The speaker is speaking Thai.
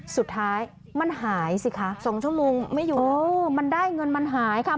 สุดท้ายมันหายสิคะสองชั่วโมงไม่อยู่มันได้เงินมันหายค่ะ